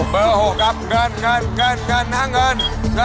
เบอร์๖อ่ะเงินเงิน